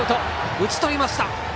打ち取りました！